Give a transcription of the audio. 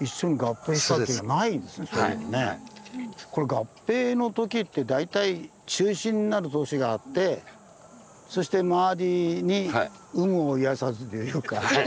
合併のときって大体中心になる都市があってそしてまわりに有無を言わさずというか。